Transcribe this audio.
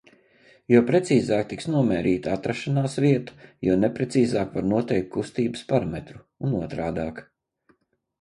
Jo precīzāk tiks nomērīta atrašanās vieta, jo neprecīzāk var noteikt kustības parametrus un otrādāk.